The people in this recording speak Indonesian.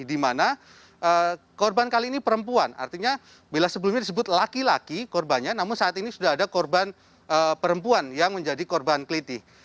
di mana korban kali ini perempuan artinya bila sebelumnya disebut laki laki korbannya namun saat ini sudah ada korban perempuan yang menjadi korban keliti